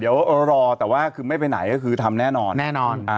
เดี๋ยวรอแต่ว่าคือไม่ไปไหนก็คือทำแน่นอน